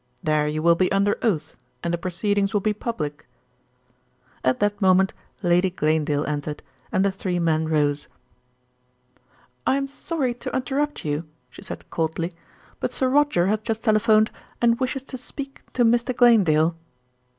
There you will be under oath, and the proceedings will be public." At that moment Lady Glanedale entered, and the three men rose. "I am sorry to interrupt you," she said coldly, "but Sir Roger has just telephoned and wishes to speak to Mr. Glanedale."